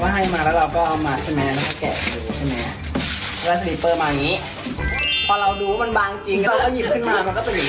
เขาก็ให้มาแล้วเราก็เอามาใช่ไหมแล้วก็แกะดูใช่ไหมแล้วสลิปเปอร์มาอย่างงี้